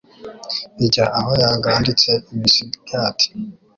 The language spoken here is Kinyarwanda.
Ijya aho yaganditse imisigati,